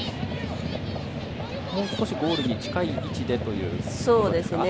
もう少しゴールに近い位置でということですか。